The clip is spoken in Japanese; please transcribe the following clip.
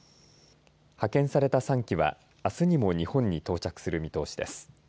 派遣された３機はあすにも日本に到着する見通しです。